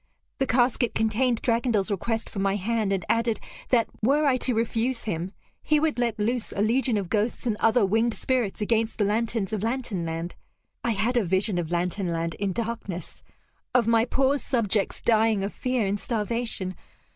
The casket contained Dragondel's request for my hand, and added that, were I to refuse him, he would let loose a legion of ghosts and other winged spirits against the lanterns of Lantern Land. I had a vision of Lantern Land in darkness; of my poor subjects dying of fear and starvation.